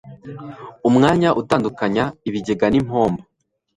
umwanya utandukanya ibigega n'impombo